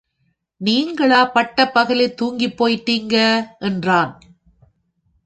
நீங்களா பட்டப்பகலில் தூங்கிப் போயிட்டீங்க என்றான்.